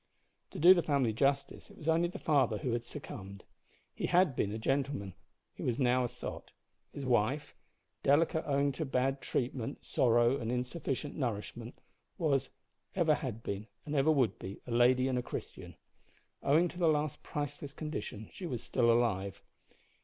To do the family justice, it was only the father who had succumbed. He had been a gentleman; he was now a sot. His wife delicate owing to bad treatment, sorrow, and insufficient nourishment was, ever had been, and ever would be, a lady and a Christian. Owing to the last priceless condition she was still alive.